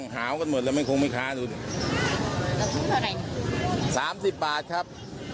หาวกันหมดแล้วไม่คงไม่ค้าดูดิสามสิบบาทครับ